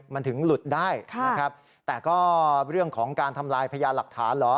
มันถึงหลุดได้นะครับแต่ก็เรื่องของการทำลายพยานหลักฐานเหรอ